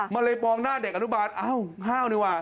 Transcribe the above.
มาเลยปองหน้าเด็กอาณุบาลเอ้าฮ่าวนี่ว่ะ